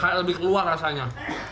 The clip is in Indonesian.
kayak lebih keluar rasanya